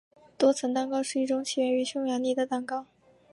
多层蛋糕是一种起源于匈牙利的蛋糕。